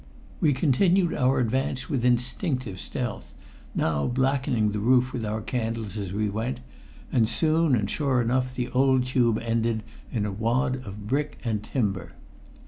We continued our advance with instinctive stealth, now blackening the roof with our candles as we went, and soon and sure enough the old tube ended in a wad of brick and timber.